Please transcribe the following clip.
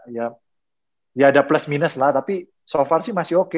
nah ya ada plus minus lah tapi so far sih masih okey